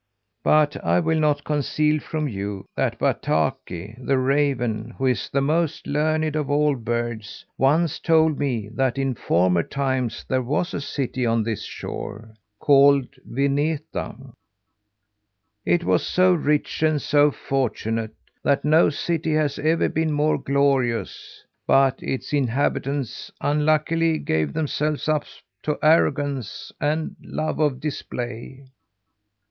"But I will not conceal from you that Bataki, the raven, who is the most learned of all birds, once told me that in former times there was a city on this shore, called Vineta. It was so rich and so fortunate, that no city has ever been more glorious; but its inhabitants, unluckily, gave themselves up to arrogance and love of display.